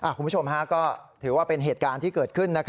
คุณผู้ชมก็ถือว่าเป็นเหตุการณ์ที่เกิดขึ้น